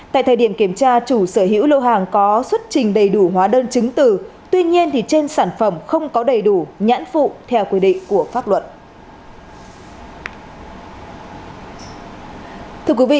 tại thời điểm kiểm tra chủ sở hữu lô hàng có xuất trình đầy đủ hóa đơn chứng từ tuy nhiên trên sản phẩm không có đầy đủ nhãn phụ theo quy định của pháp luật